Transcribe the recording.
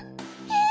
え！